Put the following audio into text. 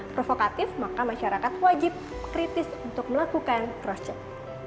provokatif maka masyarakat wajib kritis untuk melakukan cross check